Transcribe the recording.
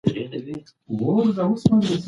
ساعت باید تل په خپل وخت وګرځي.